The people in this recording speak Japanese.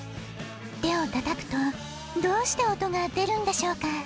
てをたたくとどうしておとがでるんでしょうか？